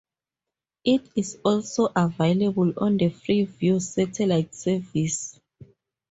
It is also available on the Freeview satellite service.